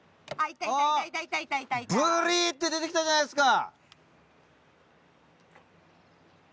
ぶり！って出て来たじゃないですか。